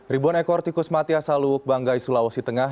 ribuan ekor tikus mati asal luwuk banggai sulawesi tengah